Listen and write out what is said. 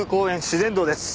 自然道です。